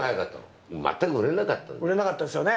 売れなかったですよね。